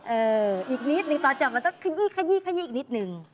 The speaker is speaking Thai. อีกนิดนึงตอนจับมันต้องขยี้ขยี้ขยี้อีกนิดนึง